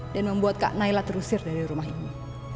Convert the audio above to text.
dan membuat kak nailah terusir dari rumah ini